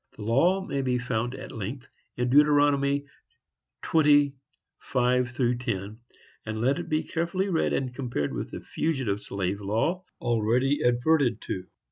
The law may be found at length in Deuteronomy 20:5–10; and let it be carefully read and compared with the fugitive slave law already adverted to.